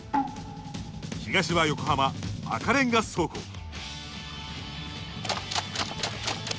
東は横浜赤レンガ倉庫。